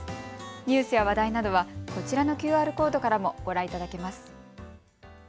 ニュースや話題などはこちらのＱＲコードからもご覧いただけます。